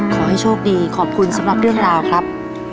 ขอให้โชคดีขอบคุณสำหรับเรื่องราวครับ